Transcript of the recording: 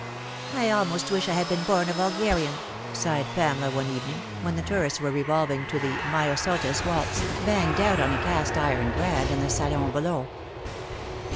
" I almost wish I had been born a vulgarian," sighed Pamela one evening, when the tourists were revolving to the " Myosotis Waltz" banged out on a cast iron grand in the salon below.